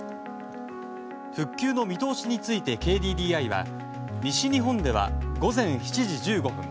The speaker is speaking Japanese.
復旧の見通しについてＫＤＤＩは西日本では午前７時１５分